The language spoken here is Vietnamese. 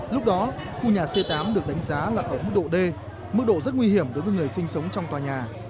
lúc đó khu nhà c tám được đánh giá là ở mức độ d mức độ rất nguy hiểm đối với người sinh sống trong tòa nhà